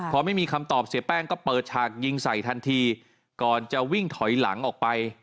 พอไม่มีคำตอบเสียแป้งก็เปิดฉากยิงใส่ทันทีก่อนจะวิ่งถอยหลังออกไป